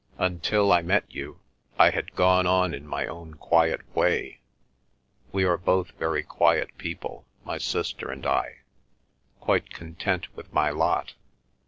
Until I met you I had gone on in my own quiet way—we are both very quiet people, my sister and I—quite content with my lot.